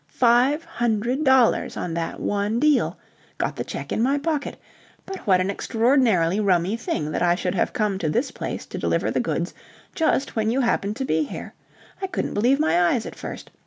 Five hundred dollars on that one deal. Got the cheque in my pocket. But what an extraordinarily rummy thing that I should have come to this place to deliver the goods just when you happened to be here. I couldn't believe my eyes at first.